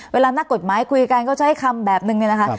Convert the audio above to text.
เวลานักกฎหมายคุยกันก็ใช้คำแบบนึงเนี่ยนะคะ